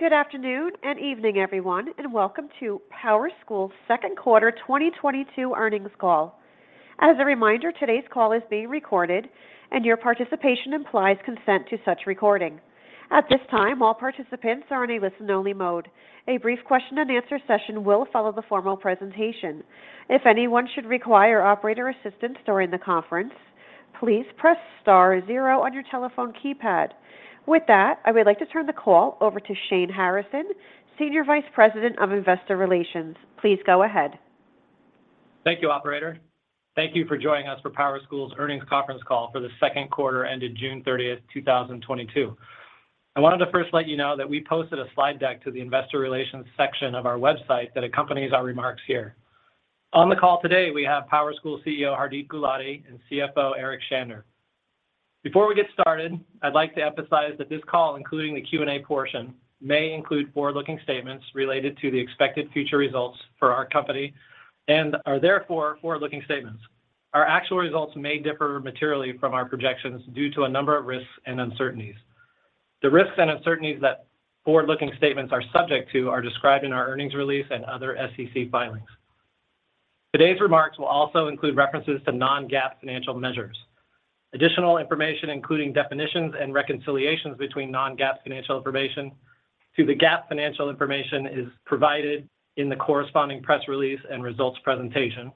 Good afternoon and evening everyone, and welcome to PowerSchool's Q2 2022 earnings call. As a reminder, today's call is being recorded, and your participation implies consent to such recording. At this time, all participants are in a listen only mode. A brief question and answer session will follow the formal presentation. If anyone should require operator assistance during the conference, please press star zero on your telephone keypad. With that, I would like to turn the call over to Shane Harrison, Senior Vice President of Investor Relations. Please go ahead. Thank you, operator. Thank you for joining us for PowerSchool's earnings conference call for the Q2 ended June 30, 2022. I wanted to first let you know that we posted a slide deck to the investor relations section of our website that accompanies our remarks here. On the call today we have PowerSchool CEO, Hardeep Gulati, and CFO, Eric Shander. Before we get started, I'd like to emphasize that this call, including the Q&A portion, may include forward-looking statements related to the expected future results for our company and are therefore forward-looking statements. Our actual results may differ materially from our projections due to a number of risks and uncertainties. The risks and uncertainties that forward-looking statements are subject to are described in our earnings release and other SEC filings. Today's remarks will also include references to non-GAAP financial measures. Additional information, including definitions and reconciliations between non-GAAP financial information to the GAAP financial information is provided in the corresponding press release and results presentation,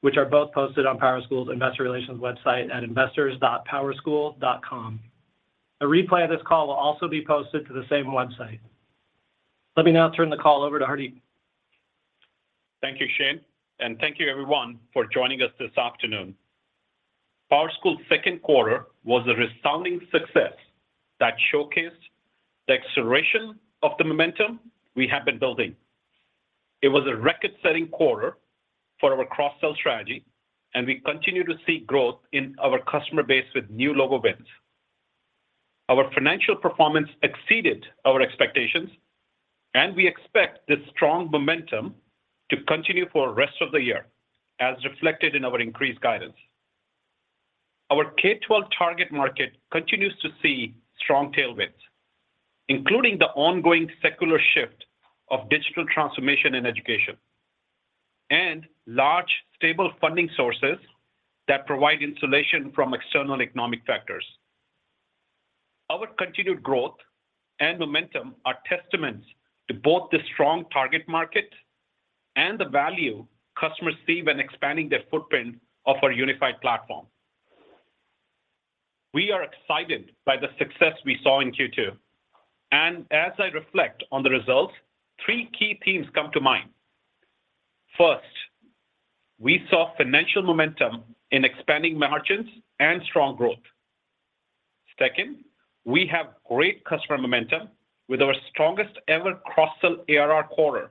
which are both posted on PowerSchool's investor relations website at investors.powerschool.com. A replay of this call will also be posted to the same website. Let me now turn the call over to Hardeep. Thank you, Shane, and thank you everyone for joining us this afternoon. PowerSchool's Q2 was a resounding success that showcased the acceleration of the momentum we have been building. It was a record-setting quarter for our cross-sell strategy, and we continue to see growth in our customer base with new logo wins. Our financial performance exceeded our expectations, and we expect this strong momentum to continue for rest of the year, as reflected in our increased guidance. Our K-12 target market continues to see strong tailwinds, including the ongoing secular shift of digital transformation in education and large, stable funding sources that provide insulation from external economic factors. Our continued growth and momentum are testaments to both the strong target market and the value customers see when expanding their footprint of our unified platform. We are excited by the success we saw in Q2. I reflect on the results, three key themes come to mind. First, we saw financial momentum in expanding margins and strong growth. Second, we have great customer momentum with our strongest ever cross-sell ARR quarter.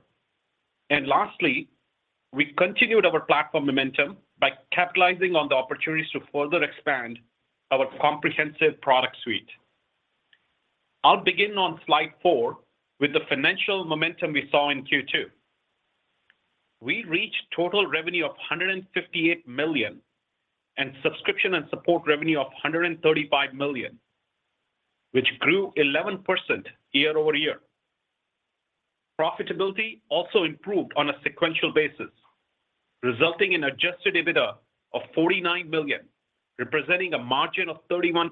Lastly, we continued our platform momentum by capitalizing on the opportunities to further expand our comprehensive product suite. I'll begin on slide four with the financial momentum we saw in Q2. We reached total revenue of $158 million and subscription and support revenue of $135 million, which grew 11% year-over-year. Profitability also improved on a sequential basis, resulting in adjusted EBITDA of $49 million, representing a margin of 31%,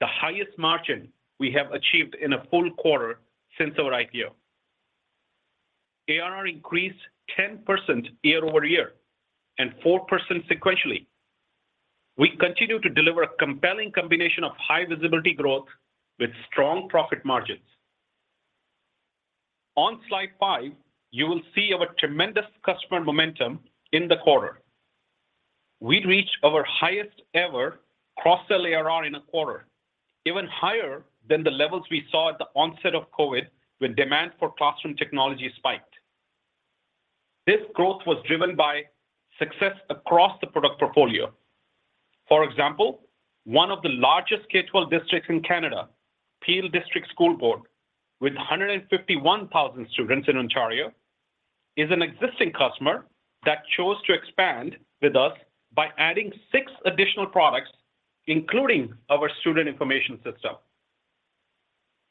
the highest margin we have achieved in a full quarter since our IPO. ARR increased 10% year-over-year, and 4% sequentially. We continue to deliver a compelling combination of high visibility growth with strong profit margins. On slide 5, you will see our tremendous customer momentum in the quarter. We reached our highest ever cross-sell ARR in a quarter, even higher than the levels we saw at the onset of COVID when demand for classroom technology spiked. This growth was driven by success across the product portfolio. For example, one of the largest K-12 districts in Canada, Peel District School Board, with 151,000 students in Ontario, is an existing customer that chose to expand with us by adding 6 additional products, including our student information system.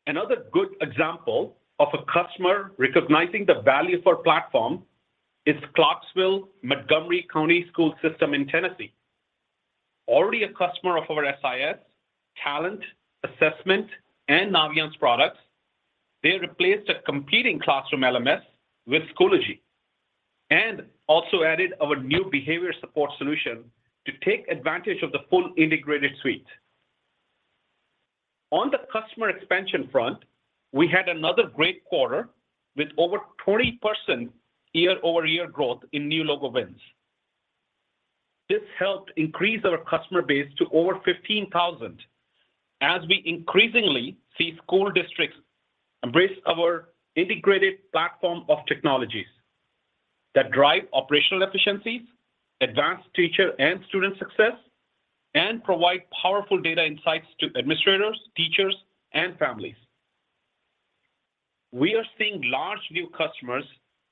Another good example of a customer recognizing the value of our platform is Clarksville-Montgomery County School System in Tennessee. Already a customer of our SIS, Talent, Assessment, and Naviance products, they replaced a competing classroom LMS with Schoology and also added our new behavior support solution to take advantage of the full integrated suite. On the customer expansion front, we had another great quarter with over 20% year-over-year growth in new logo wins. This helped increase our customer base to over 15,000 as we increasingly see school districts embrace our integrated platform of technologies that drive operational efficiencies, advance teacher and student success, and provide powerful data insights to administrators, teachers, and families. We are seeing large new customers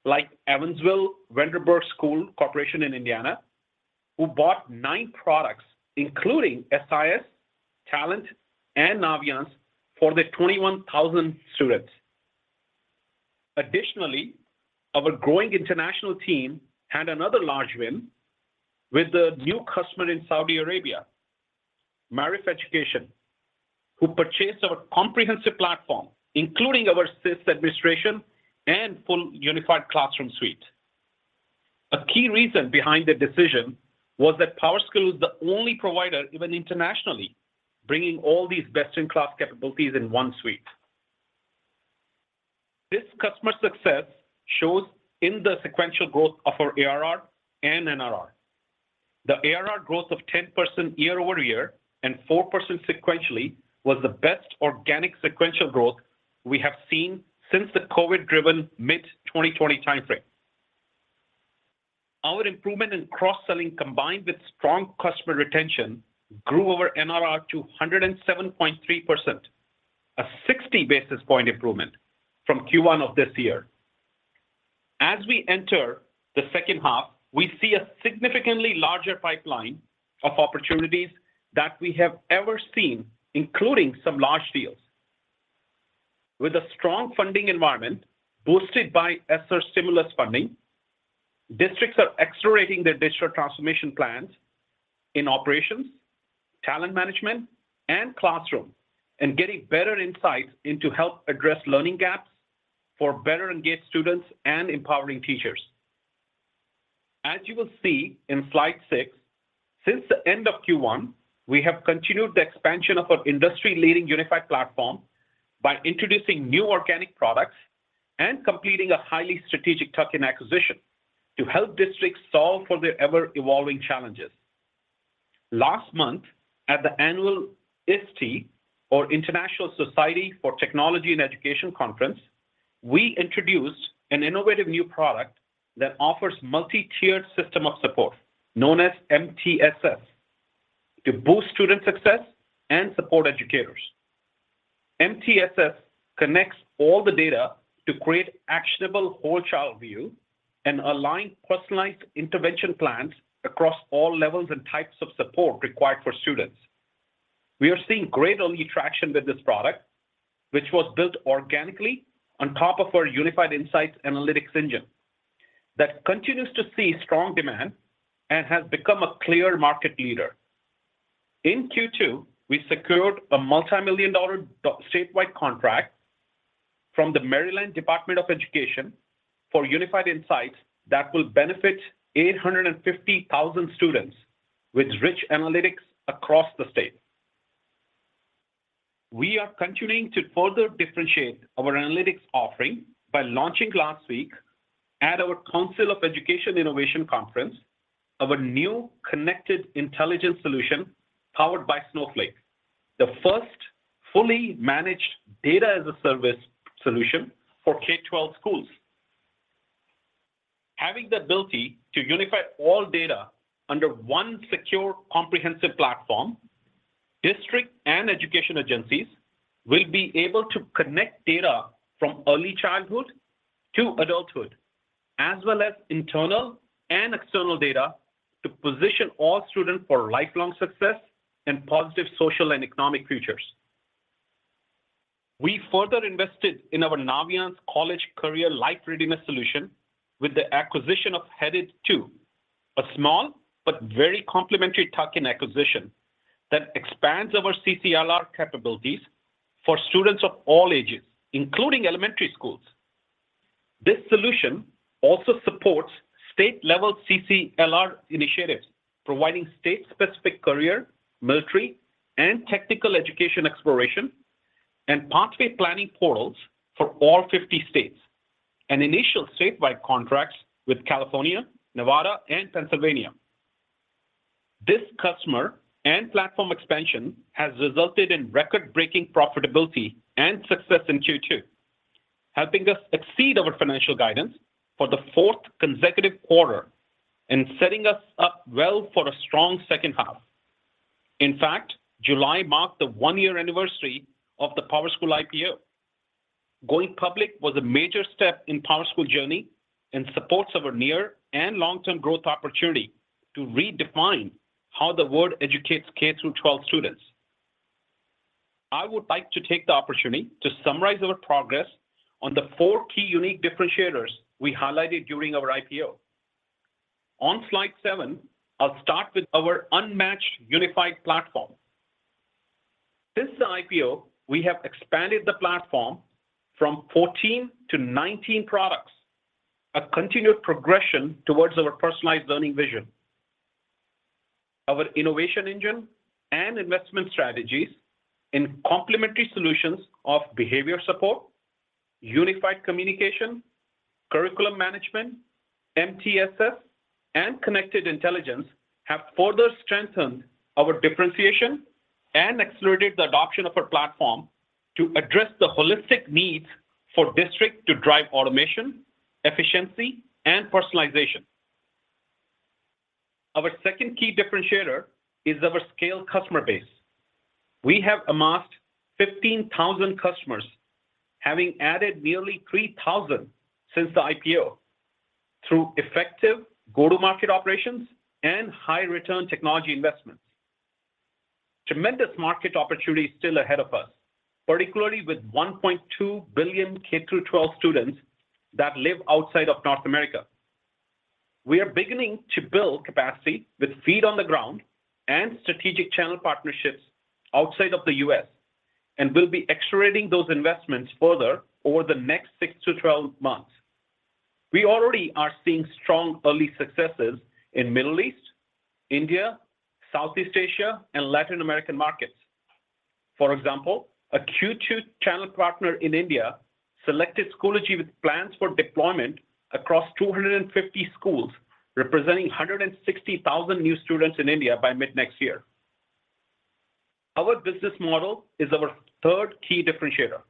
like Evansville Vanderburgh School Corporation in Indiana, who bought nine products, including SIS, Talent and Naviance for their 21,000 students. Additionally, our growing international team had another large win with a new customer in Saudi Arabia, Maarif Education, who purchased our comprehensive platform, including our SIS administration and full unified classroom suite. A key reason behind the decision was that PowerSchool is the only provider, even internationally, bringing all these best-in-class capabilities in one suite. This customer success shows in the sequential growth of our ARR and NRR. The ARR growth of 10% year-over-year and 4% sequentially was the best organic sequential growth we have seen since the COVID-driven mid-2020 timeframe. Our improvement in cross-selling, combined with strong customer retention, grew our NRR to 107.3%, a 60 basis point improvement from Q1 of this year. As we enter the second half, we see a significantly larger pipeline of opportunities that we have ever seen, including some large deals. With a strong funding environment boosted by ESSER stimulus funding, districts are accelerating their digital transformation plans in operations, talent management and classroom, and getting better insights into help address learning gaps for better engaged students and empowering teachers. As you will see in slide 6, since the end of Q1, we have continued the expansion of our industry-leading unified platform by introducing new organic products and completing a highly strategic tuck-in acquisition to help districts solve for their ever-evolving challenges. Last month at the annual ISTE, or International Society for Technology in Education Conference, we introduced an innovative new product that offers multi-tiered system of support known as MTSS to boost student success and support educators. MTSS connects all the data to create actionable whole child view and align personalized intervention plans across all levels and types of support required for students. We are seeing great early traction with this product, which was built organically on top of our Unified Insights analytics engine that continues to see strong demand and has become a clear market leader. In Q2, we secured a $multi-million statewide contract from the Maryland Department of Education for Unified Insights that will benefit 850,000 students with rich analytics across the state. We are continuing to further differentiate our analytics offering by launching last week at our Council on Education Innovation Conference, our new Connected Intelligence solution powered by Snowflake, the first fully managed data as a service solution for K-12 schools. Having the ability to unify all data under one secure, comprehensive platform, districts and education agencies will be able to connect data from early childhood to adulthood, as well as internal and external data to position all students for lifelong success and positive social and economic futures. We further invested in our Naviance college career and life readiness solution with the acquisition of Headed2, a small but very complementary tuck-in acquisition that expands our CCLR capabilities for students of all ages, including elementary schools. This solution also supports state level CCLR initiatives providing state-specific career, military and technical education exploration, and pathway planning portals for all 50 states and initial statewide contracts with California, Nevada and Pennsylvania. This customer and platform expansion has resulted in record-breaking profitability and success in Q2, helping us exceed our financial guidance for the fourth consecutive quarter and setting us up well for a strong second half. In fact, July marked the 1-year anniversary of the PowerSchool IPO. Going public was a major step in PowerSchool journey and supports our near and long-term growth opportunity to redefine how the world educates K through twelve students. I would like to take the opportunity to summarize our progress on the four key unique differentiators we highlighted during our IPO. On slide 7, I'll start with our unmatched unified platform. Since the IPO, we have expanded the platform from 14 to 19 products, a continued progression towards our personalized learning vision. Our innovation engine and investment strategies in complementary solutions of behavior support, unified communication, curriculum management, MTSS and Connected Intelligence have further strengthened our differentiation and accelerated the adoption of our platform to address the holistic needs for districts to drive automation, efficiency and personalization. Our second key differentiator is our scaled customer base. We have amassed 15,000 customers having added nearly 3,000 since the IPO through effective go-to-market operations and high return technology investments. Tremendous market opportunity is still ahead of us, particularly with 1.2 billion K-12 students that live outside of North America. We are beginning to build capacity with feet on the ground and strategic channel partnerships outside of the U.S., and we'll be accelerating those investments further over the next 6 to 12 months. We already are seeing strong early successes in Middle East, India, Southeast Asia, and Latin American markets. For example, a Q2 channel partner in India selected Schoolity with plans for deployment across 250 schools, representing 160,000 new students in India by mid-next year. Our business model is our third key differentiator.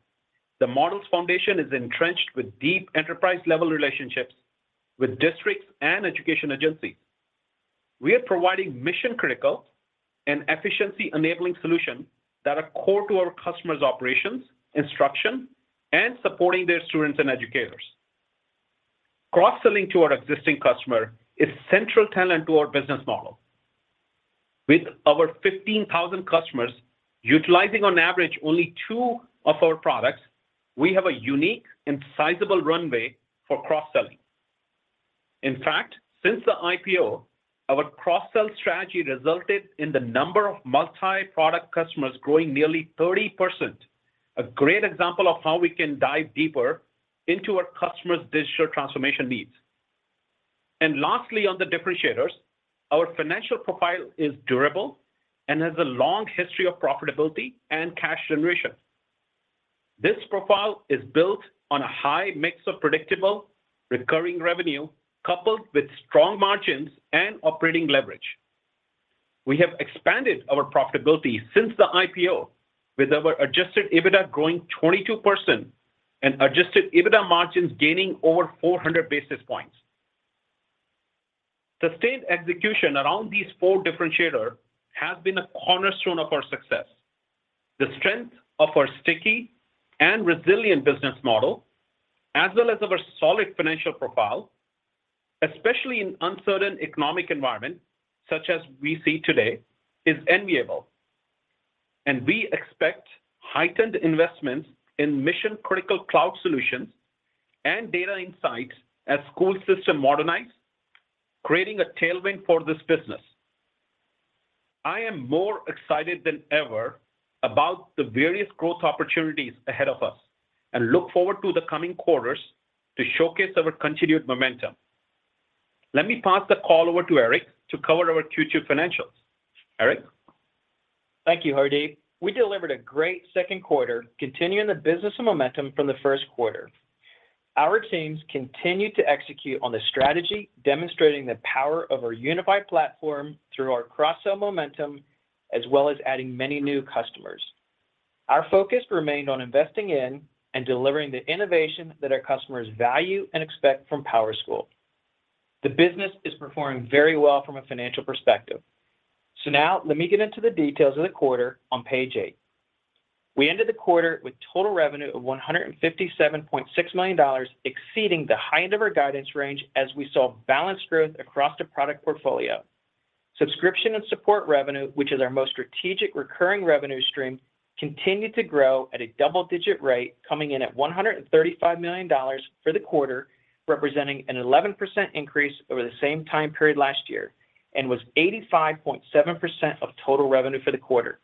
The model's foundation is entrenched with deep enterprise-level relationships with districts and education agencies. We are providing mission-critical and efficiency-enabling solutions that are core to our customers' operations, instruction, and supporting their students and educators. Cross-selling to our existing customers is central tenet to our business model. With over 15,000 customers utilizing on average only two of our products, we have a unique and sizable runway for cross-selling. In fact, since the IPO, our cross-sell strategy resulted in the number of multi-product customers growing nearly 30%. A great example of how we can dive deeper into our customers' digital transformation needs. Lastly, on the differentiators, our financial profile is durable and has a long history of profitability and cash generation. This profile is built on a high mix of predictable recurring revenue coupled with strong margins and operating leverage. We have expanded our profitability since the IPO with our adjusted EBITDA growing 22% and adjusted EBITDA margins gaining over 400 basis points. Sustained execution around these four differentiators has been a cornerstone of our success. The strength of our sticky and resilient business model, as well as our solid financial profile, especially in an uncertain economic environment such as we see today, is enviable, and we expect heightened investments in mission-critical cloud solutions and data insights as school systems modernize, creating a tailwind for this business. I am more excited than ever about the various growth opportunities ahead of us and look forward to the coming quarters to showcase our continued momentum. Let me pass the call over to Eric to cover our Q2 financials. Eric? Thank you, Hardeep. We delivered a great Q2, continuing the business momentum from the Q1. Our teams continued to execute on the strategy, demonstrating the power of our unified platform through our cross-sell momentum, as well as adding many new customers. Our focus remained on investing in and delivering the innovation that our customers value and expect from PowerSchool. The business is performing very well from a financial perspective. Now let me get into the details of the quarter on page eight. We ended the quarter with total revenue of $157.6 million, exceeding the high end of our guidance range as we saw balanced growth across the product portfolio. Subscription and support revenue, which is our most strategic recurring revenue stream, continued to grow at a double-digit rate, coming in at $135 million for the quarter, representing an 11% increase over the same time period last year, and was 85.7% of total revenue for the quarter.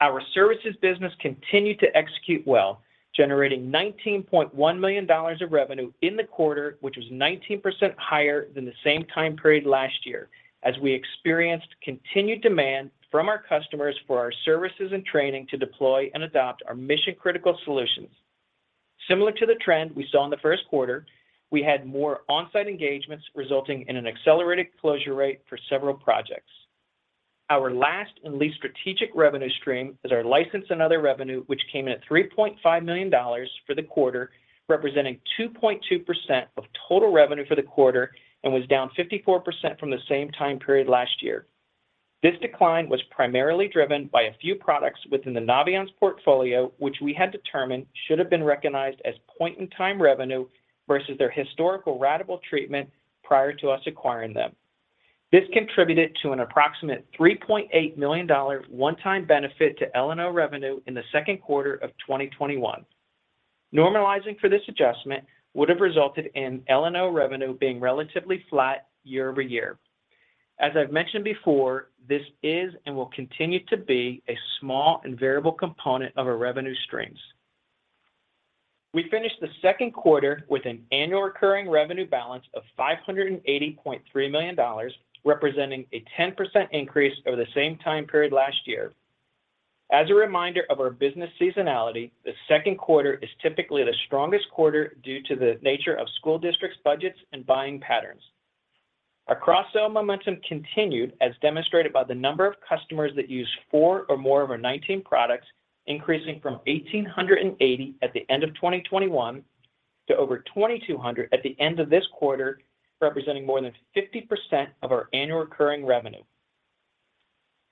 Our services business continued to execute well, generating $19.1 million of revenue in the quarter, which was 19% higher than the same time period last year, as we experienced continued demand from our customers for our services and training to deploy and adopt our mission-critical solutions. Similar to the trend we saw in the Q1, we had more on-site engagements resulting in an accelerated closure rate for several projects. Our last and least strategic revenue stream is our license and other revenue, which came in at $3.5 million for the quarter, representing 2.2% of total revenue for the quarter and was down 54% from the same time period last year. This decline was primarily driven by a few products within the Naviance portfolio, which we had determined should have been recognized as point-in-time revenue versus their historical ratable treatment prior to us acquiring them. This contributed to an approximate $3.8 million one-time benefit to L&O revenue in the Q2 of 2021. Normalizing for this adjustment would have resulted in L&O revenue being relatively flat year-over-year. As I've mentioned before, this is and will continue to be a small and variable component of our revenue streams. We finished the Q2 with an annual recurring revenue balance of $580.3 million, representing a 10% increase over the same time period last year. As a reminder of our business seasonality, the Q2 is typically the strongest quarter due to the nature of school districts' budgets and buying patterns. Our cross-sell momentum continued as demonstrated by the number of customers that use four or more of our 19 products, increasing from 1,880 at the end of 2021 to over 2,200 at the end of this quarter, representing more than 50% of our annual recurring revenue.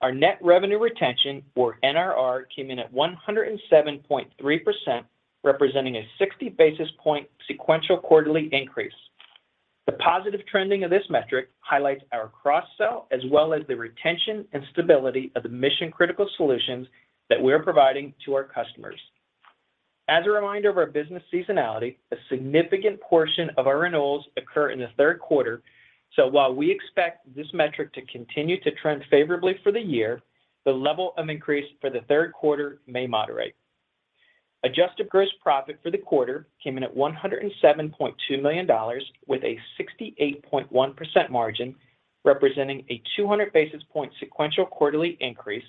Our net revenue retention, or NRR, came in at 107.3%, representing a 60 basis point sequential quarterly increase. The positive trending of this metric highlights our cross-sell, as well as the retention and stability of the mission-critical solutions that we are providing to our customers. As a reminder of our business seasonality, a significant portion of our renewals occur in the Q3. While we expect this metric to continue to trend favorably for the year, the level of increase for the Q3 may moderate. Adjusted gross profit for the quarter came in at $107.2 million with a 68.1% margin, representing a 200 basis point sequential quarterly increase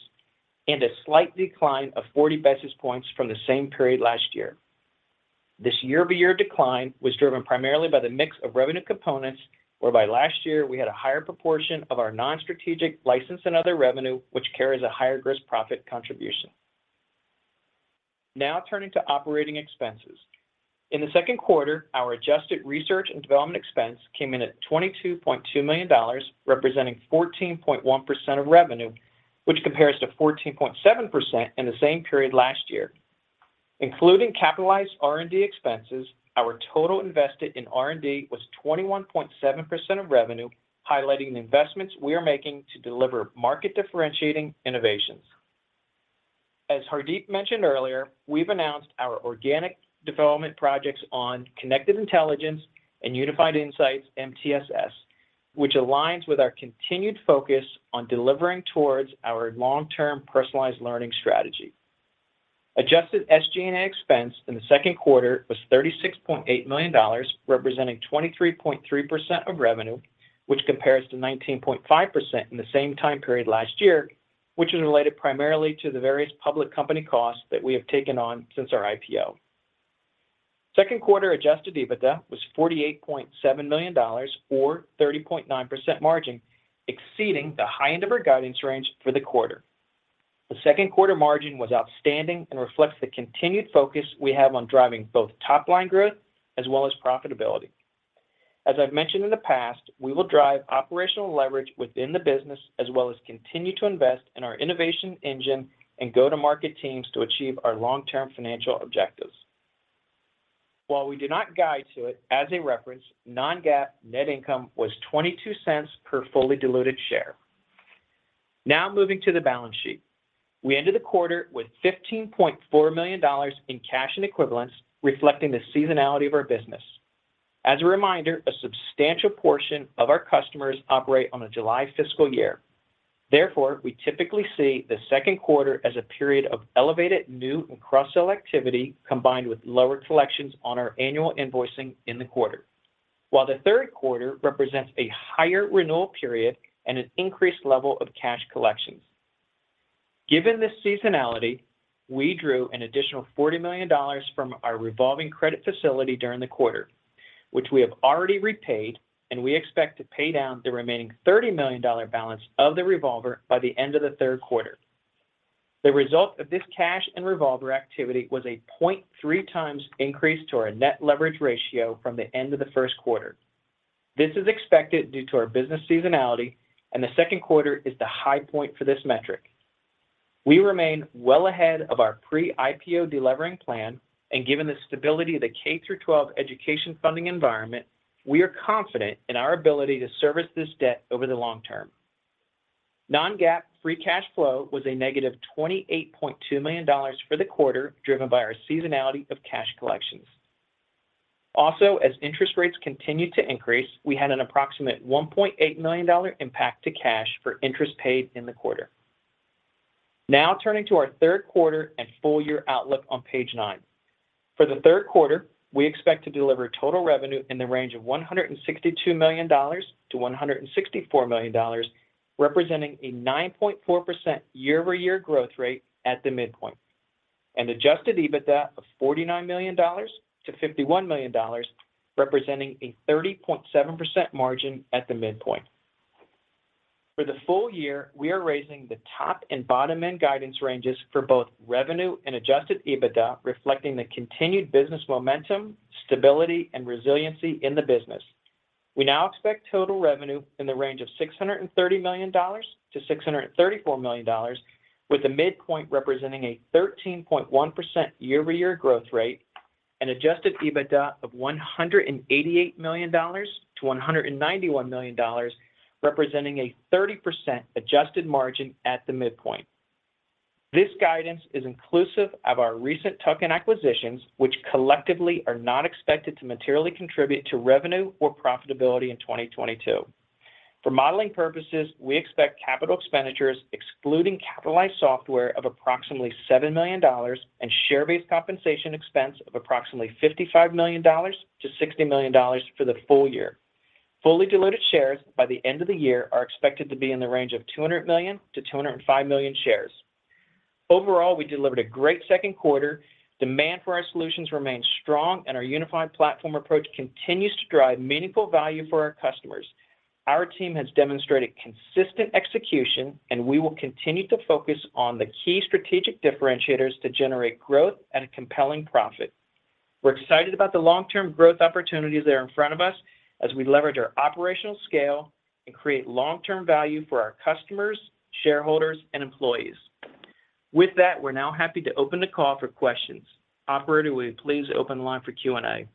and a slight decline of 40 basis points from the same period last year. This year-over-year decline was driven primarily by the mix of revenue components whereby last year we had a higher proportion of our non-strategic license and other revenue, which carries a higher gross profit contribution. Now turning to operating expenses. In the Q2, our adjusted research and development expense came in at $22.2 million, representing 14.1% of revenue, which compares to 14.7% in the same period last year. Including capitalized R&D expenses, our total invested in R&D was 21.7% of revenue, highlighting the investments we are making to deliver market-differentiating innovations. As Hardeep mentioned earlier, we've announced our organic development projects on Connected Intelligence and Unified Insights MTSS, which aligns with our continued focus on delivering towards our long-term personalized learning strategy. Adjusted SG&A expense in the Q2 was $36.8 million, representing 23.3% of revenue, which compares to 19.5% in the same time period last year, which is related primarily to the various public company costs that we have taken on since our IPO. Q2 adjusted EBITDA was $48.7 million, or 30.9% margin, exceeding the high end of our guidance range for the quarter. The Q2 margin was outstanding and reflects the continued focus we have on driving both top-line growth as well as profitability. As I've mentioned in the past, we will drive operational leverage within the business as well as continue to invest in our innovation engine and go-to-market teams to achieve our long-term financial objectives. While we do not guide to it, as a reference, non-GAAP net income was $0.22 per fully diluted share. Now moving to the balance sheet. We ended the quarter with $15.4 million in cash and equivalents, reflecting the seasonality of our business. As a reminder, a substantial portion of our customers operate on a July fiscal year. Therefore, we typically see the Q2 as a period of elevated new and cross-sell activity combined with lower collections on our annual invoicing in the quarter. While the Q3 represents a higher renewal period and an increased level of cash collections. Given this seasonality, we drew an additional $40 million from our revolving credit facility during the quarter, which we have already repaid, and we expect to pay down the remaining $30 million dollar balance of the revolver by the end of the Q3. The result of this cash and revolver activity was a 0.3 times increase to our net leverage ratio from the end of the Q1. This is expected due to our business seasonality, and the Q2 is the high point for this metric. We remain well ahead of our pre-IPO delevering plan, and given the stability of the K-12 education funding environment, we are confident in our ability to service this debt over the long term. Non-GAAP free cash flow was a negative $28.2 million for the quarter, driven by our seasonality of cash collections. Also, as interest rates continued to increase, we had an approximate $1.8 million dollar impact to cash for interest paid in the quarter. Now turning to our Q3 and full-year outlook on page nine. For the Q3, we expect to deliver total revenue in the range of $162 million-$164 million, representing a 9.4% year-over-year growth rate at the midpoint. Adjusted EBITDA of $49 million-$51 million, representing a 30.7% margin at the midpoint. For the full year, we are raising the top and bottom end guidance ranges for both revenue and adjusted EBITDA, reflecting the continued business momentum, stability, and resiliency in the business. We now expect total revenue in the range of $630 million-$634 million, with the midpoint representing a 13.1% year-over-year growth rate and adjusted EBITDA of $188 million-$191 million, representing a 30% adjusted margin at the midpoint. This guidance is inclusive of our recent tuck-in acquisitions, which collectively are not expected to materially contribute to revenue or profitability in 2022. For modeling purposes, we expect capital expenditures excluding capitalized software of approximately $7 million and share-based compensation expense of approximately $55 million-$60 million for the full year. Fully diluted shares by the end of the year are expected to be in the range of 200 million-205 million shares. Overall, we delivered a great Q2. Demand for our solutions remains strong, and our unified platform approach continues to drive meaningful value for our customers. Our team has demonstrated consistent execution, and we will continue to focus on the key strategic differentiators to generate growth and a compelling profit. We're excited about the long-term growth opportunities that are in front of us as we leverage our operational scale and create long-term value for our customers, shareholders, and employees. With that, we're now happy to open the call for questions. Operator, will you please open the line for Q&A?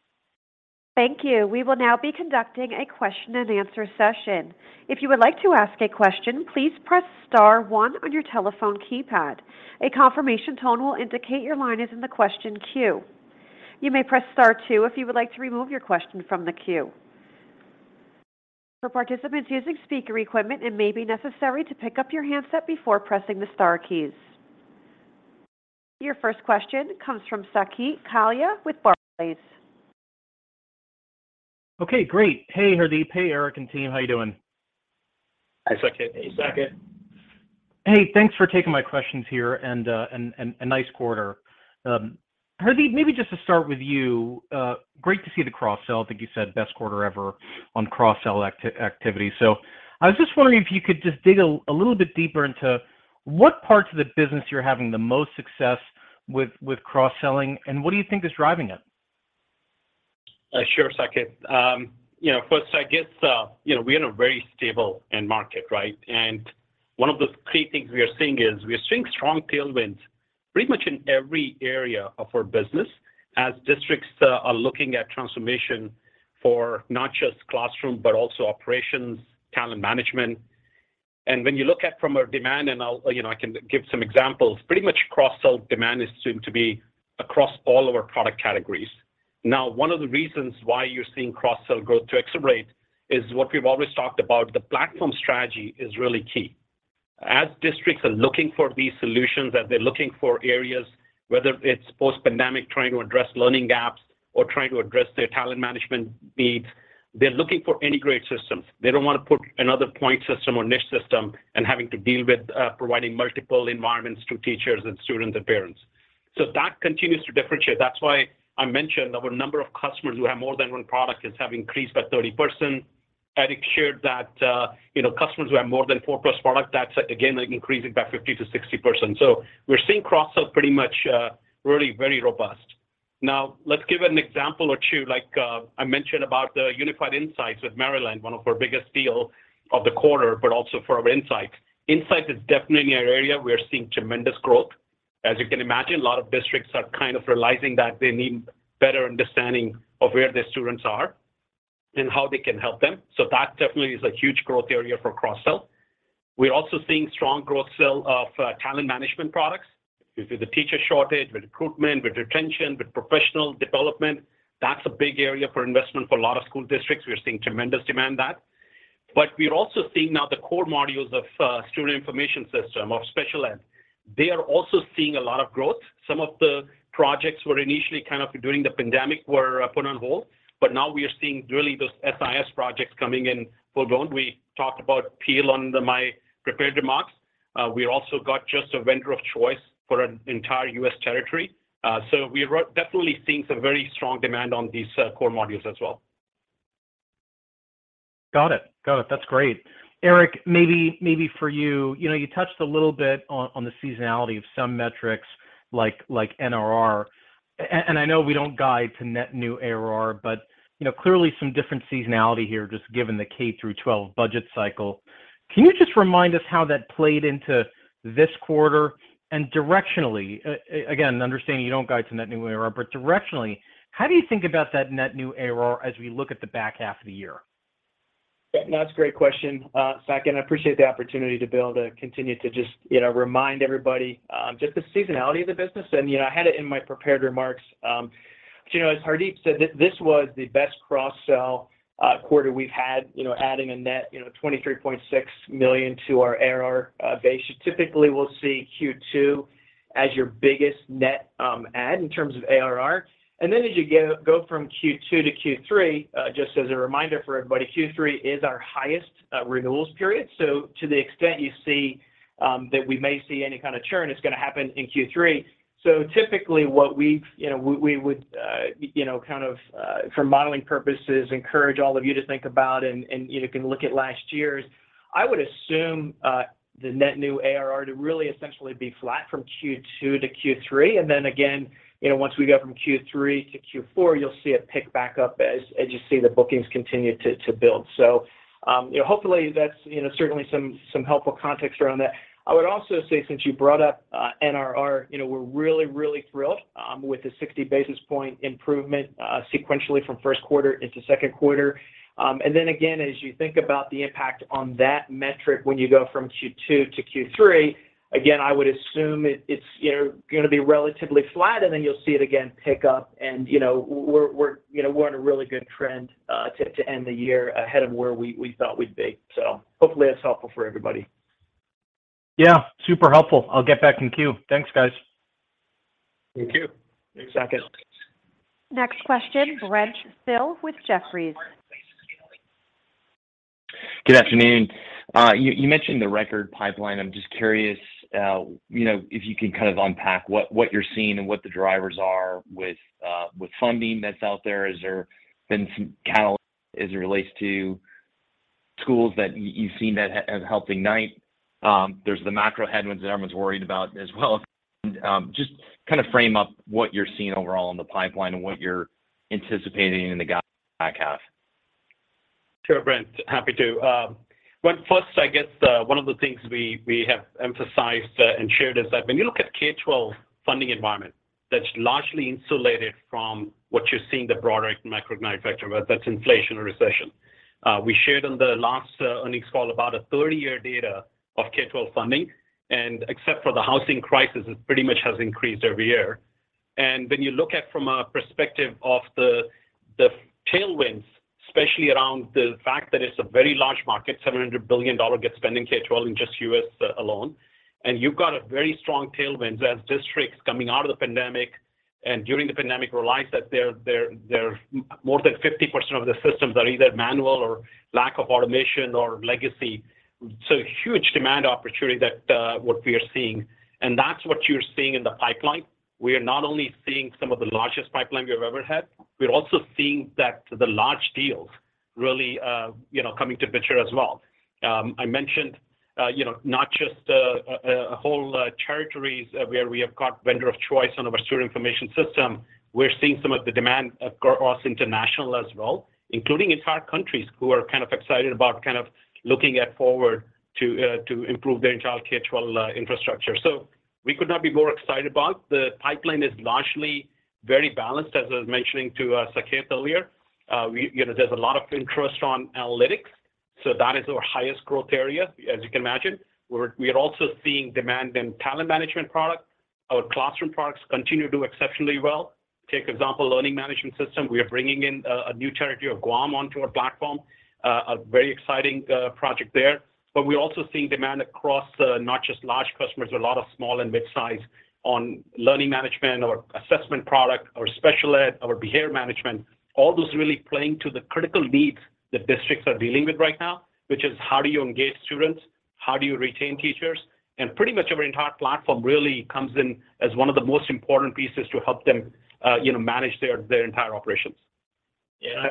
Thank you. We will now be conducting a question and answer session. If you would like to ask a question, please press star one on your telephone keypad. A confirmation tone will indicate your line is in the question queue. You may press star two if you would like to remove your question from the queue. For participants using speaker equipment, it may be necessary to pick up your handset before pressing the star keys. Your first question comes from Saket Kalia with Barclays. Okay, great. Hey, Hardeep. Hey, Eric and team. How you doing? Hi, Saket. Hey, Saket. Hey, thanks for taking my questions here and a nice quarter. Hardeep, maybe just to start with you, great to see the cross-sell. I think you said best quarter ever on cross-sell activity. I was just wondering if you could just dig a little bit deeper into what parts of the business you're having the most success with cross-selling, and what do you think is driving it? Sure, Saket. First, saket we are in a very stable end market, right? One of the key things we are seeing is we are seeing strong tailwinds pretty much in every area of our business as districts are looking at transformation for not just classroom, but also operations, talent management. When you look at from a demand, and i'll I can give some examples, pretty much cross-sell demand is soon to be across all our product categories. Now, one of the reasons why you're seeing cross-sell growth to accelerate is what we've always talked about. The platform strategy is really key. As districts are looking for these solutions, as they're looking for areas, whether it's post-pandemic, trying to address learning gaps or trying to address their talent management needs, they're looking for integrated systems. They don't want to put another point system or niche system and having to deal with providing multiple environments to teachers and students and parents. That continues to differentiate. That's why I mentioned our number of customers who have more than one product has increased by 30%. Eric shared that customers who have more than 4+ products, that's again, like, increasing by 50%-60%. We're seeing cross-sell pretty much really very robust. Now, let's give an example or two. Like I mentioned about the Unified Insights with Maryland, one of our biggest deal of the quarter, but also for our Unified Insights. Unified Insights is definitely an area we are seeing tremendous growth. As you can imagine, a lot of districts are kind of realizing that they need better understanding of where their students are and how they can help them. That definitely is a huge growth area for cross-sell. We're also seeing strong cross-sell of talent management products. With the teacher shortage, with recruitment, with retention, with professional development, that's a big area for investment for a lot of school districts. We are seeing tremendous demand there. We are also seeing now the core modules of student information system or special ed. They are also seeing a lot of growth. Some of the projects were initially kind of put on hold during the pandemic, now we are seeing really those SIS projects coming in full-blown. We talked about Peel in my prepared remarks. We also got just a vendor of choice for an entire U.S. territory. We are definitely seeing some very strong demand on these core modules as well. Got it. That's great. Eric, maybe for you touched a little bit on the seasonality of some metrics like NRR. I know we don't guide to net new ARR, clearly some different seasonality here just given the K through 12 budget cycle. Can you just remind us how that played into this quarter and directionally, again, understanding you don't guide to net new ARR, but directionally, how do you think about that net new ARR as we look at the back half of the year? Yeah, no, that's a great question, Saket, and I appreciate the opportunity to be able to continue to just remind everybody, just the seasonality of the business. I had it in my prepared remarks. As Hardeep said, this was the best cross-sell quarter we've had adding a net $23.6 million to our ARR base. Typically, we'll see Q2 as your biggest net add in terms of ARR. As you go from Q2 to Q3, just as a reminder for everybody, Q3 is our highest renewals period. To the extent you see that we may see any kind of churn, it's going to happen in Q3. Typically we would kind of for modeling purposes encourage all of you to think about and can look at last year's I would assume the net new ARR to really essentially be flat from Q2 to Q3. Once we go from Q3 to Q4, you'll see it pick back up as you see the bookings continue to build. Hopefully that's certainly some helpful context around that. I would also say, since you brought up NRR, we're really thrilled with the 60 basis point improvement sequentially from Q1 into Q2. As you think about the impact on that metric when you go from Q2 to Q3, again, I would assume it's going to be relatively flat, and then you'll see it again pick up. We're in a really good trend to end the year ahead of where we thought we'd be. Hopefully that's helpful for everybody. Yeah, super helpful. I'll get back in queue. Thanks, guys. Thank you. Thanks, Saket. Next question, Brent Thill with Jefferies. Good afternoon. You mentioned the record pipeline. I'm just curious if you can kind of unpack what you're seeing and what the drivers are with funding that's out there. Is there been some catalyst as it relates to tools that you've seen that have helped ignite? There's the macro headwinds that everyone's worried about as well. Just kind of frame up what you're seeing overall in the pipeline and what you're anticipating in the back half. Sure, Brent. Happy to. Well, first, I guess, one of the things we have emphasized and shared is that when you look at K-12 funding environment, that's largely insulated from what you're seeing, the broader macroeconomic factor, whether that's inflation or recession. We shared on the last earnings call about a 30-year data of K-12 funding, and except for the housing crisis, it pretty much has increased every year. When you look at from a perspective of the tailwinds, especially around the fact that it's a very large market, $700 billion K-12 spending in just U.S. alone, and you've got a very strong tailwind as districts coming out of the pandemic and during the pandemic realized that their more than 50% of the systems are either manual or lack of automation or legacy. Huge demand opportunity that what we are seeing, and that's what you're seeing in the pipeline. We are not only seeing some of the largest pipeline we've ever had, we're also seeing that the large deals really you know coming into the picture as well. I mentioned you know not just whole territories where we have got vendor of choice on our student information system. We're seeing some of the demand across international as well, including entire countries who are kind of excited about kind of looking forward to to improve their entire K-12 infrastructure. We could not be more excited about. The pipeline is largely very balanced. As I was mentioning to Saket earlier, you know there's a lot of interest in analytics, so that is our highest growth area, as you can imagine. We are also seeing demand in talent management product. Our classroom products continue to do exceptionally well. Take example, learning management system. We are bringing in a new territory of Guam onto our platform, a very exciting project there. But we're also seeing demand across, not just large customers, a lot of small and midsize on learning management or assessment product or special ed or behavior management, all those really playing to the critical needs that districts are dealing with right now, which is how do you engage students? How do you retain teachers? Pretty much our entire platform really comes in as one of the most important pieces to help them manage their entire operations.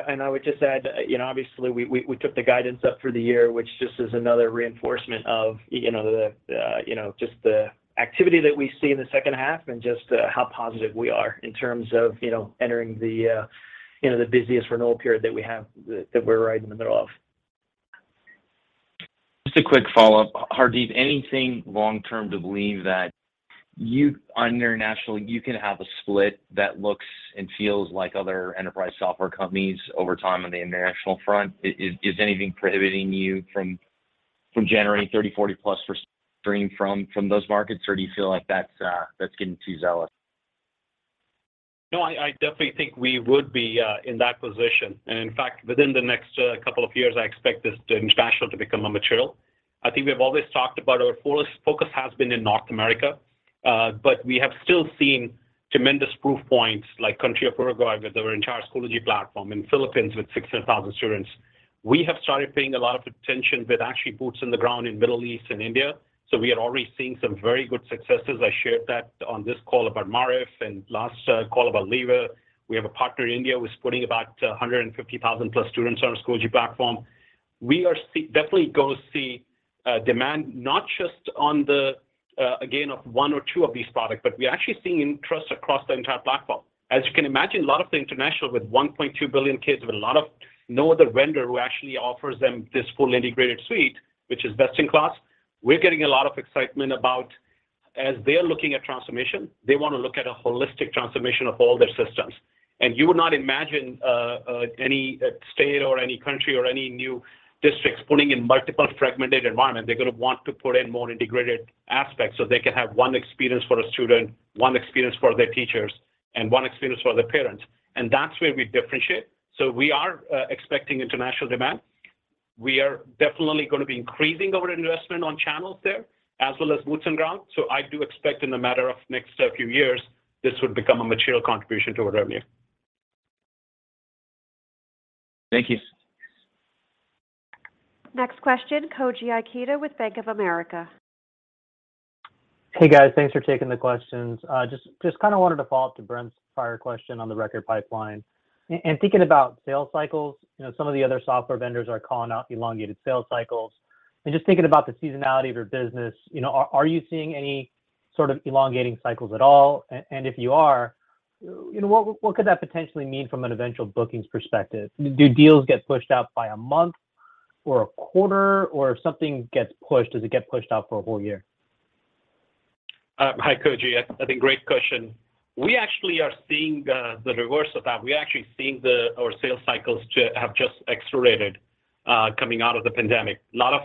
Yeah. I would just add obviously, we took the guidance up for the year, which just is another reinforcement of just the activity that we see in the second half and just how positive we are in terms of entering the the busiest renewal period that we have, that we're right in the middle of. Just a quick follow-up. Hardeep, anything long term to believe that you on your international you can have a split that looks and feels like other enterprise software companies over time on the international front? Is anything prohibiting you from generating 30, 40%+ from those markets, or do you feel like that's getting too zealous? No, I definitely think we would be in that position. In fact, within the next couple of years, I expect this international to become a material. I think we have always talked about our full focus has been in North America, but we have still seen tremendous proof points like the country of Uruguay with their entire Schoology platform, in the Philippines with 600,000 students. We have started paying a lot of attention with actually boots on the ground in Middle East and India. We are already seeing some very good successes. I shared that on this call about Maarif and last call about Leva. We have a partner in India who's putting about 150,000+ students on our Schoology platform. We are definitely going to see demand not just for one or two of these products, but we're actually seeing interest across the entire platform. As you can imagine, a lot of the international with 1.2 billion kids with no other vendor who actually offers them this full integrated suite, which is best in class. We're getting a lot of excitement, as they're looking at transformation, they want to look at a holistic transformation of all their systems. You would not imagine any state or any country or any new districts putting in multiple fragmented environment. They're going to want to put in more integrated aspects, so they can have one experience for a student, one experience for their teachers, and one experience for their parents. That's where we differentiate. We are expecting international demand. We are definitely going to be increasing our investment on channels there as well as boots on ground. I do expect in a matter of next few years, this would become a material contribution to our revenue. Thank you. Next question, Koji Ikeda with Bank of America. Hey, guys. Thanks for taking the questions. Just kind of wanted to follow up to Brent's prior question on the record pipeline. Thinking about sales cycles some of the other software vendors are calling out elongated sales cycles. Just thinking about the seasonality of your business are you seeing any sort of elongating cycles at all? If you are what could that potentially mean from an eventual bookings perspective? Do deals get pushed out by a month or a quarter? Or if something gets pushed, does it get pushed out for a whole year? Hi, Koji. I think great question. We actually are seeing the reverse of that. We're actually seeing our sales cycles have just accelerated coming out of the pandemic. A lot of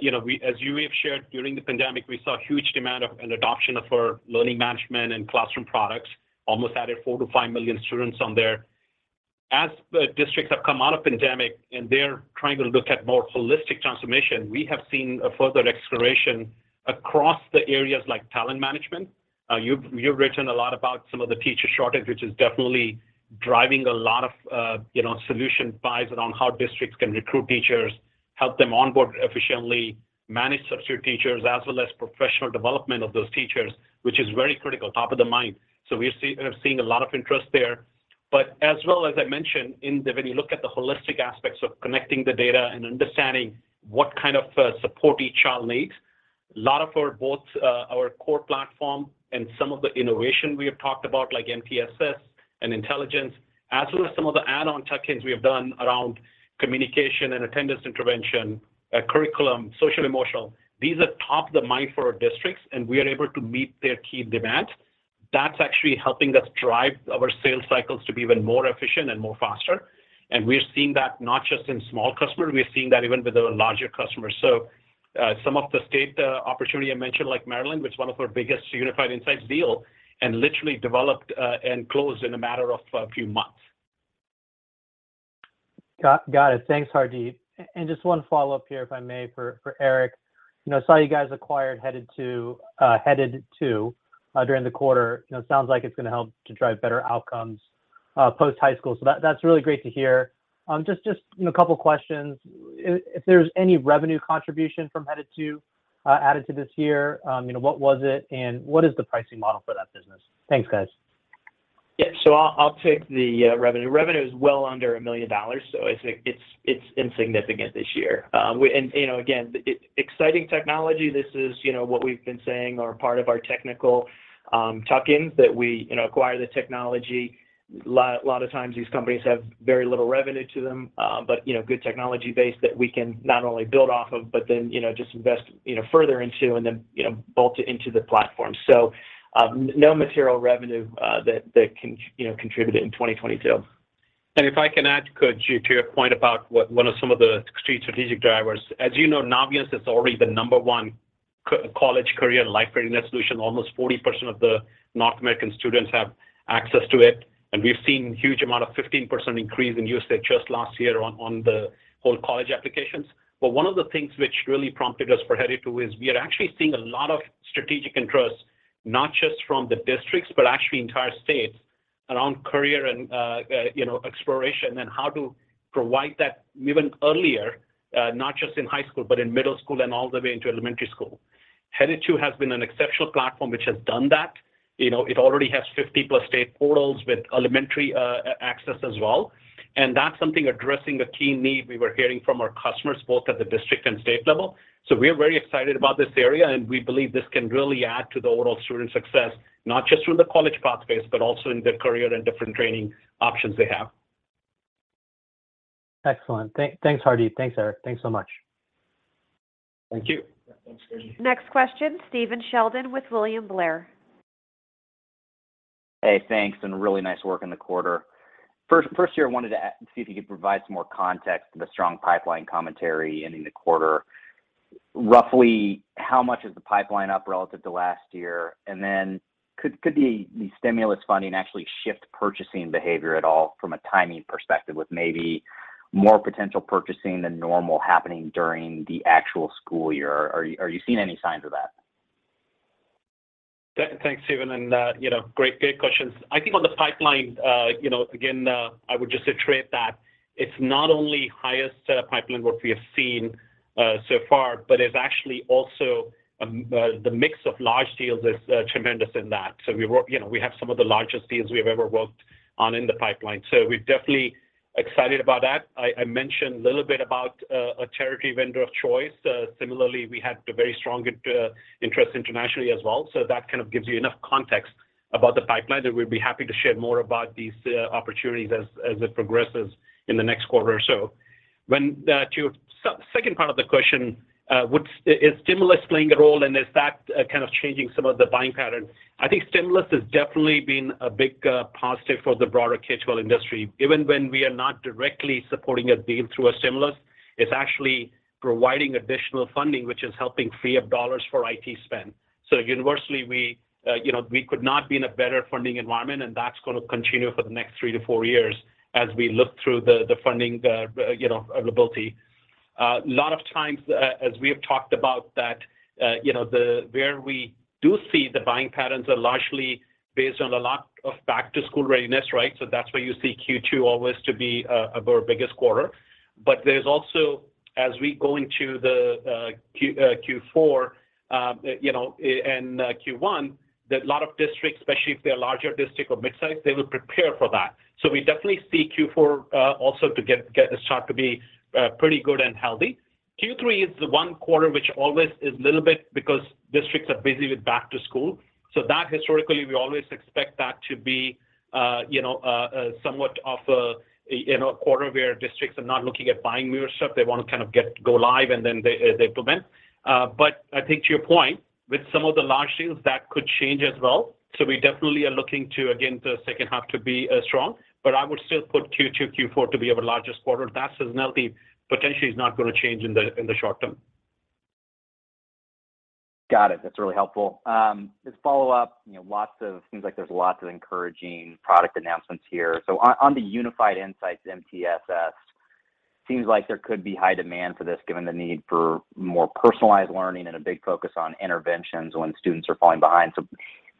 you know we've shared during the pandemic, we saw huge demand for and adoption of our learning management and classroom products, almost added 4-5 million students on there. As the districts have come out of pandemic, and they're trying to look at more holistic transformation, we have seen a further exploration across the areas like talent management. You've written a lot about some of the teacher shortage, which is definitely driving a lot of solution buys around how districts can recruit teachers, help them onboard efficiently, manage substitute teachers, as well as professional development of those teachers, which is very critical, top of the mind. We're seeing a lot of interest there. As well as I mentioned, when you look at the holistic aspects of connecting the data and understanding what kind of support each child needs, a lot of both our core platform and some of the innovation we have talked about, like MTSS and intelligence, as well as some of the add-on tuck-ins we have done around communication and attendance intervention, curriculum, social emotional, these are top of the mind for our districts, and we are able to meet their key demands. That's actually helping us drive our sales cycles to be even more efficient and more faster. We're seeing that not just in small customer, we are seeing that even with the larger customers. Some of the state opportunity I mentioned, like Maryland, which one of our biggest Unified Insights deal and literally developed and closed in a matter of a few months. Got it. Thanks, Hardeep. Just one follow-up here, if I may, for Eric. Saw you guys acquired Headed2 during the quarter. It sounds like it's going to help to drive better outcomes post-high school. That's really great to hear. Just a couple questions. If there's any revenue contribution from Headed2 added to this year what was it and what is the pricing model for that business? Thanks, guys. I'll take the revenue. Revenue is well under $1 million, so it's insignificant this year. Again, it's exciting technology. This is what we've been saying are part of our technical tuck-ins that we acquire the technology. A lot of times these companies have very little revenue to them, good technology base that we can not only build off of, but then just invest further into and then bolt it into the platform. No material revenue that contributed in 2022. If I can add, to your point about one of some of the key strategic drivers. As Naviance is already the number one college, career, and life readiness solution. Almost 40% of the North American students have access to it, and we've seen huge amount of 15% increase in usage just last year on the whole college applications. But one of the things which really prompted us for Headed2 is we are actually seeing a lot of strategic interest, not just from the districts, but actually entire states around career and you know exploration and how to provide that even earlier, not just in high school, but in middle school and all the way into elementary school. Headed2 has been an exceptional platform which has done that. it already has 50+ state portals with elementary, access as well. That's something addressing a key need we were hearing from our customers, both at the district and state level. We are very excited about this area, and we believe this can really add to the overall student success, not just from the college path space, but also in their career and different training options they have. Excellent. Thanks, Hardeep. Thanks, Eric. Thanks so much. Thank you. Yeah, thanks. Next question, Stephen Sheldon with William Blair. Hey, thanks, and really nice work in the quarter. First here, I wanted to see if you could provide some more context to the strong pipeline commentary ending the quarter. Roughly how much is the pipeline up relative to last year? Then could the stimulus funding actually shift purchasing behavior at all from a timing perspective, with maybe more potential purchasing than normal happening during the actual school year? Are you seeing any signs of that? Thanks, Stephen, and great questions. I think on the pipeline again, I would just iterate that it's not only highest pipeline what we have seen so far, but it's actually also the mix of large deals is tremendous in that. We have some of the largest deals we have ever worked on in the pipeline. We're definitely excited about that. I mentioned a little bit about a territory vendor of choice. Similarly, we had a very strong interest internationally as well. That kind of gives you enough context about the pipeline that we'd be happy to share more about these opportunities as it progresses in the next quarter or so. Now, to the second part of the question, is stimulus playing a role, and is that kind of changing some of the buying pattern? I think stimulus has definitely been a big positive for the broader K-12 industry. Even when we are not directly supporting a deal through a stimulus, it's actually providing additional funding, which is helping free up dollars for IT spend. universally we could not be in a better funding environment, and that's going to continue for the next 3-4 years as we look through the funding availability. A lot of times, as we have talked about that where we do see the buying patterns are largely based on a lot of back-to-school readiness, right? That's why you see Q2 always to be our biggest quarter. There's also, as we go into the Q4 and Q1, that a lot of districts, especially if they're larger district or midsize, they will prepare for that. We definitely see Q4 also to get a start to be pretty good and healthy. Q3 is the one quarter which always is little bit because districts are busy with back to school. That historically, we always expect that to be you know somewhat of a you know a quarter where districts are not looking at buying newer stuff. They want to kind of get go live and then they implement. I think to your point, with some of the large deals, that could change as well. We definitely are looking to, again, the second half to be strong, but I would still put Q2, Q4 to be our largest quarter. That seasonality potentially is not going to change in the short term. Got it. That's really helpful. Just follow up seems like there's lots of encouraging product announcements here. On the Unified Insights MTSS Seems like there could be high demand for this, given the need for more personalized learning and a big focus on interventions when students are falling behind.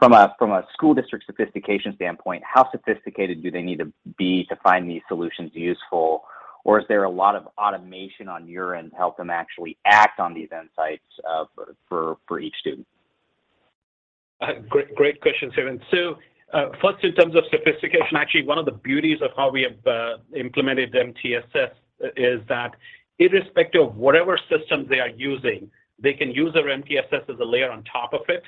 From a school district sophistication standpoint, how sophisticated do they need to be to find these solutions useful? Is there a lot of automation on your end to help them actually act on these insights, for each student? Great question, Steven. First in terms of sophistication, actually one of the beauties of how we have implemented MTSS is that irrespective of whatever systems they are using, they can use their MTSS as a layer on top of it